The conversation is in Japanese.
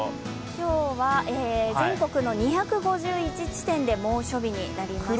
今日は全国の２５１地点で猛暑日になりました。